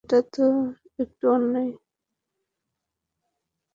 এখানে যদি ওঁকে সাত নম্বরে খেলানো হয়, সেটা একটু অন্যায়ই হয়।